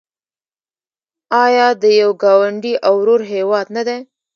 آیا د یو ګاونډي او ورور هیواد نه دی؟